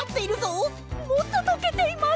もっととけています！